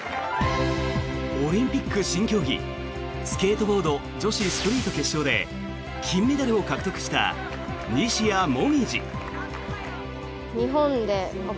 オリンピック新競技スケートボード女子ストリート決勝で金メダルを獲得した西矢椛。